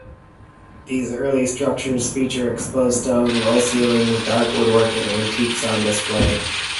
These early structures feature exposed stone, low ceilings, dark woodwork, and antiques on display.